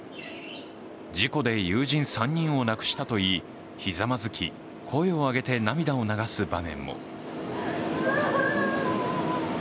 事故で友人３人を亡くしたといいひざまずき声を上げて涙を流す場面も。